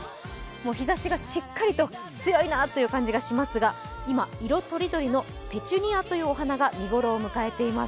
日ざしがしっかりと強いなという感じがしますが今、色とりどりのペチュニアというお花が見頃を迎えています。